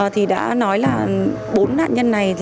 thì đã nói là bốn nạn nhân này